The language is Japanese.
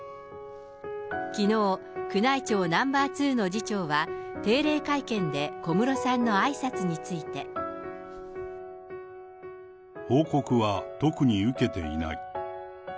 きのう、宮内庁ナンバー２の次長は、定例会見で小室さんのあ報告は特に受けていない。